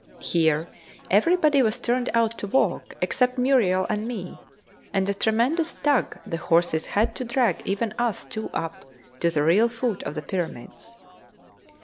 Here everybody was turned out to walk except Muriel and me, and a tremendous tug the horses had to drag even us two up to the real foot of the Pyramids.